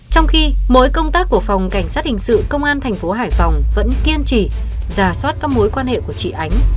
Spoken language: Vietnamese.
trong khi mỗi công tác của phòng cảnh sát hình sự công an thành phố hải phòng vẫn kiên trì giả soát các mối quan hệ của chị ánh